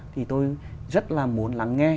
thì tôi rất là muốn lắng nghe